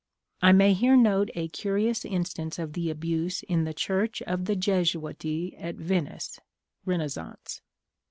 I may here note a curious instance of the abuse in the church of the Jesuiti at Venice (Renaissance).